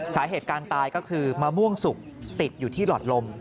สาเหตุการตายก็คือมะม่วงสุกติดอยู่ที่หลอดลม